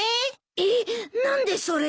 えっ！？何でそれを？